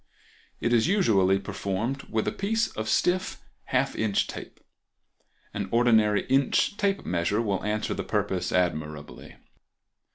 It is usually performed with a piece of stiff half inch tape; an ordinary inch tape measure will answer the purpose admirably.